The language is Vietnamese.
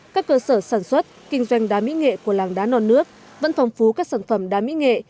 các cơ sở sản xuất kinh doanh đá mỹ nghệ của làng đá non nước vẫn phong phú các sản phẩm đá mỹ nghệ